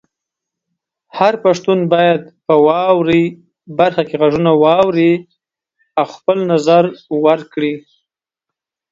هر پښتون باید په "واورئ" برخه کې غږونه واوري او خپل نظر ورکړي.